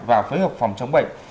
và phối hợp phòng chống bệnh